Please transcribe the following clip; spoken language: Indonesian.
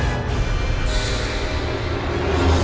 ya kita kembali ke sekolah